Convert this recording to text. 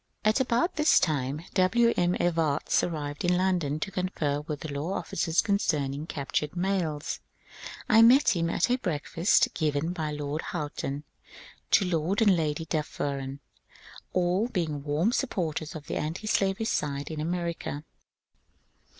About this time W. M. Evarts arrived in London to confer with the law officers concerning captured mails, etc. I met him at a breakfast given by Lord Houghton to Lord and Lady Dufferin, all being warm supporters of the antislavery side in America.